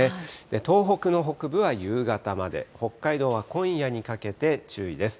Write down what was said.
東北の北部は夕方まで、北海道は今夜にかけて注意です。